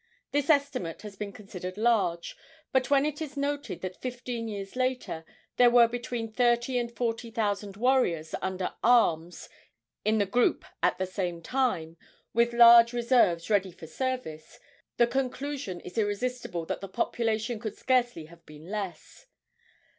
This estimate has been considered large. But when it is noted that fifteen years later there were between thirty and forty thousand warriors under arms in the group at the same time, with large reserves ready for service, the conclusion is irresistible that the population could scarcely have been less.